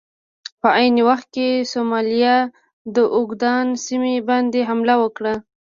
په عین وخت کې سومالیا د اوګادن سیمې باندې حمله وکړه.